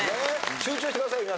集中してください皆さん。